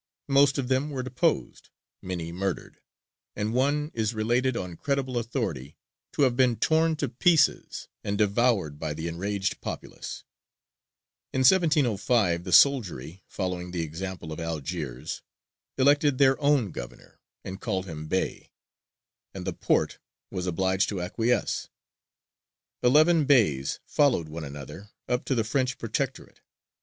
Most of them were deposed, many murdered, and one is related on credible authority to have been torn to pieces and devoured by the enraged populace. In 1705 the soldiery, following the example of Algiers, elected their own governor, and called him Bey; and the Porte was obliged to acquiesce. Eleven Beys followed one another, up to the French "protectorate."